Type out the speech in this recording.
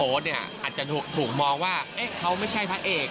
โอ๊ตเนี่ยอาจจะถูกมองว่าเขาไม่ใช่พระเอก